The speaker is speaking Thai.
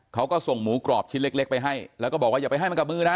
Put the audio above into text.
เขาก็ส่งหมูกรอบชิ้นเล็กไปให้แล้วก็บอกว่าอย่าไปให้มันกับมือนะ